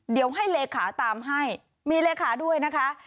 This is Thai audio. เดี๋ยวให้เลขาตามให้มีเลขาด้วยนะคะ